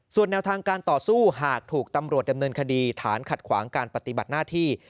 ส่วนแนวทางการต่อสู้หากถูกตำรวจดำเนินคดีฐานขัดขวางการปฏิบัติหน้าที่